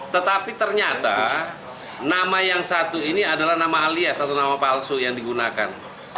tetapi ternyata nama yang satu ini adalah nama alias atau nama palsu yang digunakan